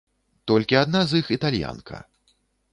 Толькі адна з іх італьянка.